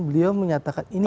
beliau menyatakan ini keren